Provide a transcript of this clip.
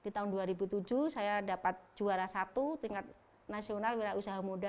di tahun dua ribu tujuh saya dapat juara satu tingkat nasional wira usaha muda